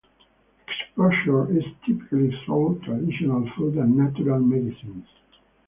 Exposure is typically through traditional food and natural medicines.